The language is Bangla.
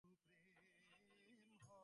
মা, আমি ভীষণ দুঃখিত।